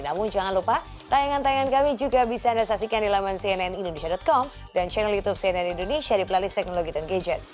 namun jangan lupa tayangan tayangan kami juga bisa anda saksikan di laman cnnindonesia com dan channel youtube cnn indonesia di playlist teknologi dan gadget